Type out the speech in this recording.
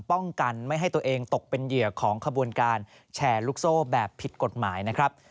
ป้องกันไม่ให้ตัวเองตกเป็นเหยื่อของขบวนการแชร์ลูกโซ่แบบผิดกฎหมายนะครับ